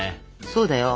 そうだよ。